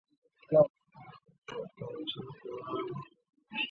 水龙的升级棋。